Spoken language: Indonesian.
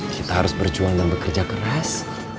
kita harus berjuang dan bekerja keras